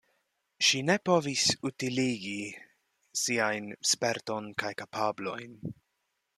Ŝi ne povis utiligi siajn sperton kaj kapablojn.